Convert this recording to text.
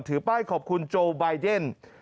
ถือป้ายขอบคุณโจไบเดน